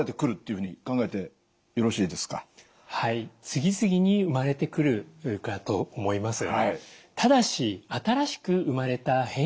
次々に生まれてくるかと思います。